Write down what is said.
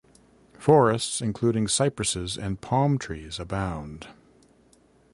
Forests including cypresses and palm trees abound.